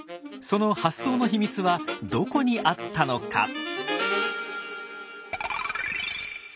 その発想の秘密はどこにあったのか？